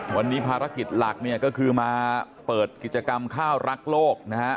วันนี้ภารกิจหลักเนี่ยก็คือมาเปิดกิจกรรมข้าวรักโลกนะฮะ